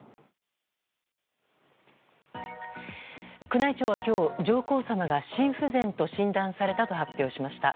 宮内庁は今日、上皇さまが心不全と診断されたと発表しました。